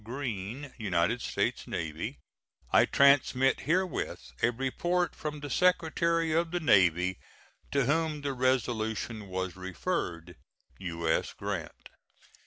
Green, United States Navy, I transmit herewith a report from the Secretary of the Navy, to whom the resolution was referred. U.S. GRANT.